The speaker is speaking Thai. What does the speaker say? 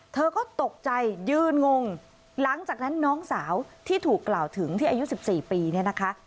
เธอก็ตกใจยืนงงหลังจากนั้นน้องสาวที่ถูกกล่าวถึงที่อายุ๑๔ปีเนี่ยนะคะ